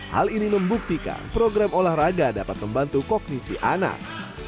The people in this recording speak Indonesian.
hal ini membuktikan program olahraga dapat membantu kognisi anak